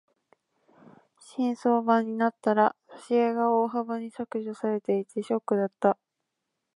新装版になったら挿絵が大幅に削除されていてショックだった。